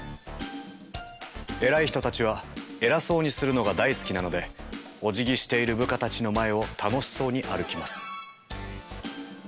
偉い人たちは偉そうにするのが大好きなのでおじぎしている部下たちの前を楽しそうに歩きます。